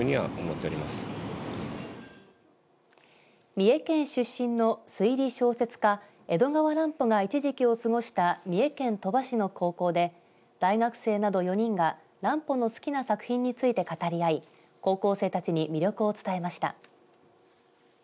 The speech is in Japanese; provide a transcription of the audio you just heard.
三重県出身の推理小説家江戸川乱歩が一時期を過ごした三重県鳥羽市の高校で大学生など４人が乱歩の好きな作品について語り合い高校生たちに魅力を伝えました。